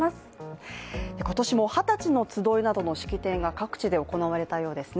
今年も二十歳の集いなどの式典が各地で行われたようですね。